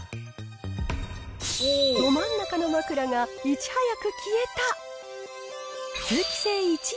ど真ん中の枕がいち早く消えた。